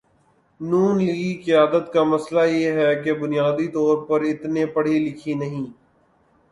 نون لیگی قیادت کا مسئلہ یہ ہے کہ بنیادی طور پہ اتنے پڑھی لکھی نہیں۔